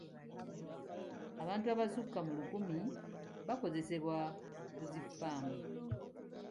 Abantu abasukka mu lukumi bakozesebwa ku zi ffaamu.